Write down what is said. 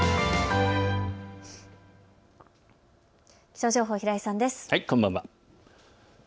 気象情報、平井さんです。